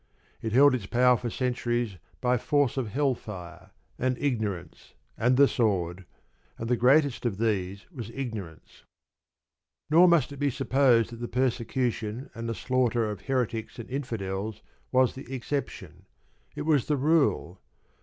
It held its power for centuries by force of hell fire, and ignorance, and the sword; and the greatest of these was ignorance. Nor must it be supposed that the persecution and the slaughter of "Heretics" and "Infidels" was the exception. It was the rule.